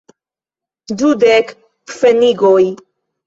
Dudek pfenigoj.